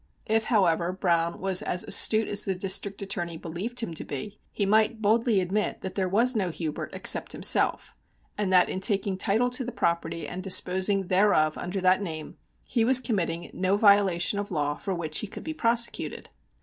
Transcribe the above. If, however, Browne was as astute as the District Attorney believed him to be, he might boldly admit that there was no Hubert except himself, and that in taking title to the property and disposing thereof under that name, he was committing no violation of law for which he could be prosecuted.